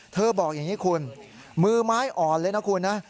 บอกอย่างนี้คุณมือไม้อ่อนเลยนะคุณนะ